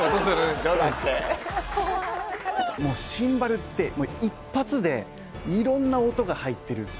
シンバルって一発で色んな音が入ってる。